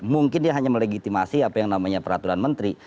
mungkin dia hanya melegitimasi apa yang namanya peraturan menteri